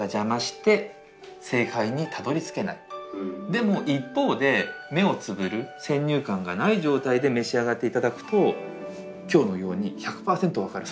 でも一方で目をつぶる先入観がない状態で召し上がって頂くと今日のように１００％分かる。